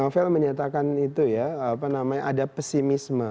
novel menyatakan itu ya apa namanya ada pesimisme